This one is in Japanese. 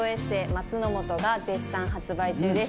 『松の素』が絶賛発売中です。